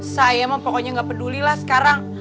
saya mah pokoknya gak peduli lah sekarang